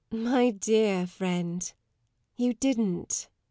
_] My dear friend, you didn't!